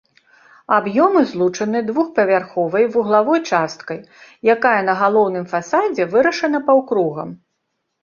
Аб'ёмы злучаны двухпавярховай вуглавой часткай, якая на галоўным фасадзе вырашана паўкругам.